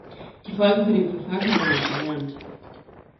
Die Folgen für die Bevölkerung waren verheerend.